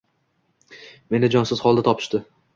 Meni jonsiz holda topishdi.